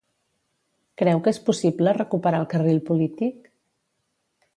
Creu que és possible recuperar el carril polític?